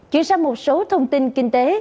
chuyển sang một số thông tin kinh tế